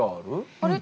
あれ？